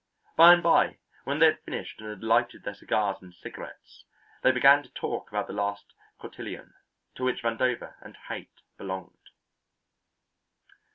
By and by, when they had finished and had lighted their cigars and cigarettes, they began to talk about the last Cotillon, to which Vandover and Haight belonged.